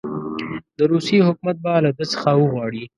د روسیې حکومت به له ده څخه وغواړي.